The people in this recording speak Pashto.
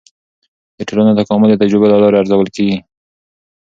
د ټولنو تکامل د تجربو له لارې ارزول کیږي.